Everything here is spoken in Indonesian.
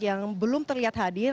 yang belum terlihat hadir